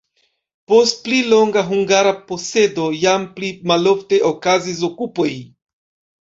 Post pli longa hungara posedo jam pli malofte okazis okupoj.